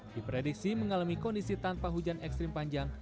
diprediksi mengalami kondisi tanpa hujan ekstrim panjang